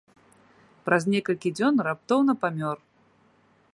Праз некалькі дзён раптоўна памёр.